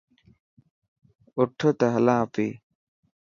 اوٺ ته هلان اپي.